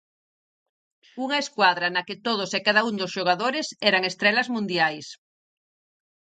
Unha escuadra na que todos e cada un dos xogadores eran estrelas mundiais.